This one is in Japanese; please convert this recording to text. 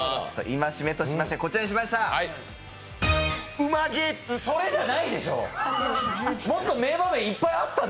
戒めとしまして、こちらにしました！